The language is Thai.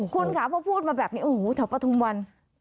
คุณคะเพราะพูดมาแบบนี้อู๋แถวปฐุมวัน